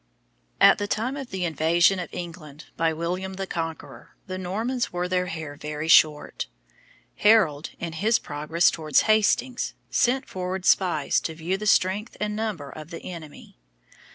At the time of the invasion of England by William the Conqueror, the Normans wore their hair very short. Harold, in his progress towards Hastings, sent forward spies to view the strength and number of the enemy.